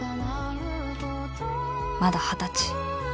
まだ二十歳